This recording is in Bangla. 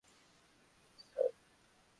তিমি, স্যার।